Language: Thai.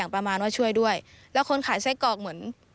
เพื่อน